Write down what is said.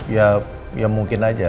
ya ya mungkin aja